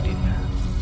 tidak di dinda